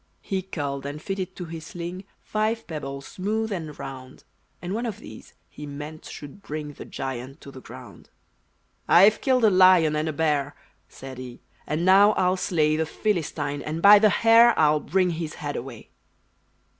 He culled and fitted to his sling Five pebbles, smooth and round; And one of these he meant should bring The giant to the ground. "I've killed a lion and a bear," Said he, "and now I'll slay The Philistine, and by the hair I'll bring his head away!"